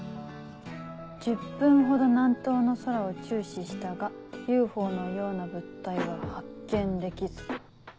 「１０分ほど南東の空を注視したがＵＦＯのような物体は発見できず」。